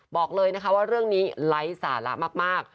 บอกเลยนะคะว่าเรื่องนี้ไร้สาระมาก